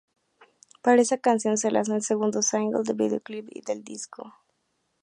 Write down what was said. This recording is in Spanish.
Para esa canción se lanzó el segundo single y videoclip del disco.